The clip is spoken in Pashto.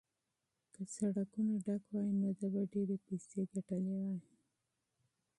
که سړکونه ډک وای نو ده به ډېرې پیسې ګټلې وای.